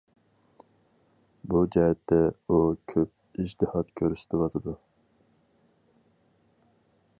بۇ جەھەتتە ئۇ كۆپ ئىجتىھات كۆرسىتىۋاتىدۇ.